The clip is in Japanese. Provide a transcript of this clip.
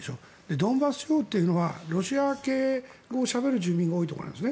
ドンバス地方というのはロシア語をしゃべる住民が多い地域なんですね。